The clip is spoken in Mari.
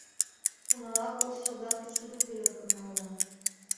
Унала коштшо-влак деч тудо пӧлекым наледа.